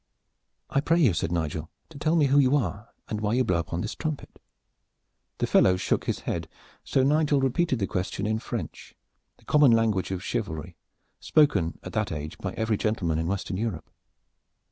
"I pray you," said Nigel, "to tell me who you are and why you blow upon this trumpet." The fellow shook his head, so Nigel repeated the question in French, the common language of chivalry, spoken at that age by every gentleman in Western Europe.